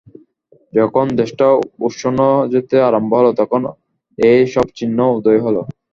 যখন দেশটা উৎসন্ন যেতে আরম্ভ হল, তখন এই সব চিহ্ন উদয় হল।